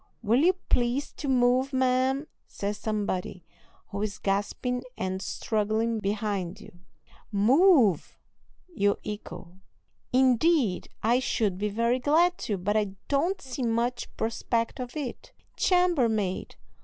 "Will you please to move, ma'am?" says somebody, who is gasping and struggling behind you. "Move!" you echo. "Indeed, I should be very glad to, but I don't see much prospect of it." "Chambermaid!"